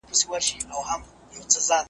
ما خو دي د پله خاوري رنجو لره ساتلي وې .